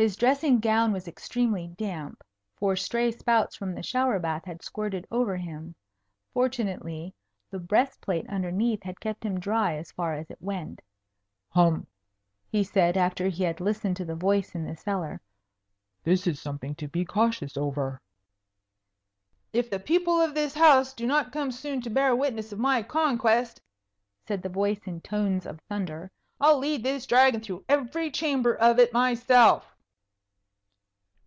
His dressing gown was extremely damp, for stray spouts from the shower bath had squirted over him. Fortunately, the breast plate underneath had kept him dry as far as it went. "Hum," he said, after he had listened to the voice in the cellar. "This is something to be cautious over." "If the people of this house do not come soon to bear witness of my conquest," said the voice in tones of thunder, "I'll lead this Dragon through every chamber of it myself."